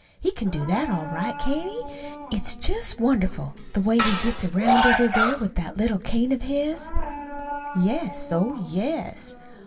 He can do that all right, can't he? It's just wonderful the way he gets around everywhere, with that little cane of his!" "Yes, oh, yes."